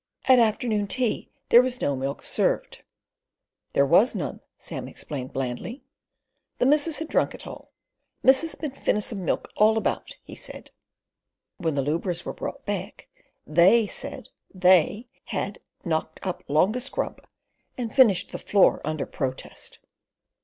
At afternoon tea there was no milk served. "There was none," Sam explained blandly. "The missus had drunk it all. Missus bin finissem milk all about," he said When the lubras were brought back, THEY said THEY had "knocked up longa scrub," and finished the floor under protest.